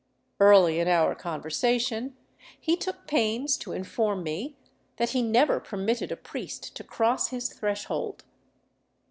Early in our conversation he took pains to inform me that he never permitted a priest to cross his threshold.